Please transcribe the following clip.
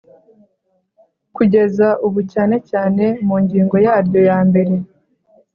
kugeza ubu cyane cyane mu ngingo yaryo yambere